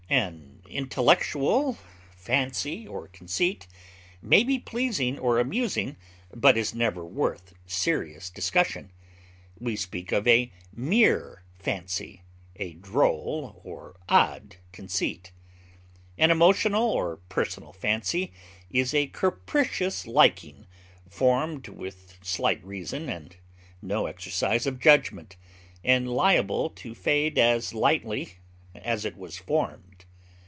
An intellectual fancy or conceit may be pleasing or amusing, but is never worth serious discussion; we speak of a mere fancy, a droll or odd conceit. An emotional or personal fancy is a capricious liking formed with slight reason and no exercise of judgment, and liable to fade as lightly as it was formed.